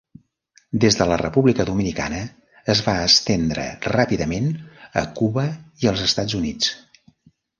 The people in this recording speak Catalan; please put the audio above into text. Des de la República Dominicana es va estendre ràpidament a Cuba i, als Estats Units.